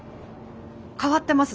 変わってます